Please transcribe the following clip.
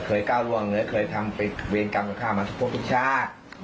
เคยเก้าร่วงหรือเคยทำเป็นเวรกรรมของข้ามาทุกชาติ